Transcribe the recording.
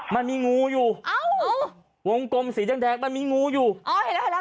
มันมีงูอยู่เอ้าวงกลมสีแดงแดงมันมีงูอยู่อ๋อเห็นแล้ว